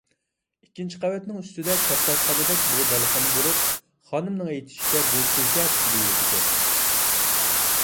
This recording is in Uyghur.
ئىككىنچى قەۋەتنىڭ ئۈستىدە كەپتەرخانىدەك بىر بالىخانا بولۇپ، خانىمنىڭ ئېيتىشىچە بۇ تۇل كەپىسى دېيىلىدىكەن.